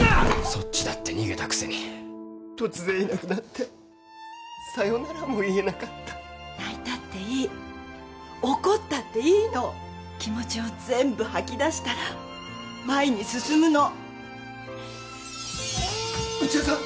そっちだって逃げたくせに突然いなくなってさよならも言えなかった泣いたっていい怒ったっていいの気持ちを全部吐き出したら前に進むの内田さん